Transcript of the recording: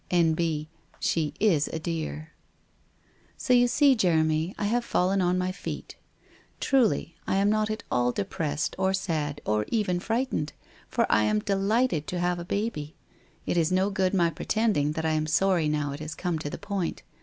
N. B. — She is a dear. So you see, Jeremy, I have fallen on my feet. Truly, I am not at all depressed, or sad, or even frightened, for I am delighted to have a baby. It is no good my pretend ing that I am sorry now it has come to the point.